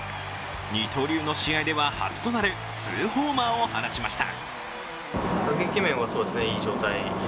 二刀流の試合では初となる２ホーマーを放ちました。